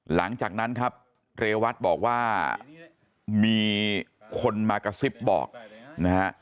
หลังจากนั้นครับเรวัตบอกว่ามีคนมากระซิบบอกนะฮะ